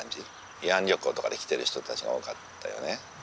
慰安旅行とかで来てる人たちが多かったよね。